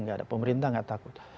tidak ada pemerintah yang takut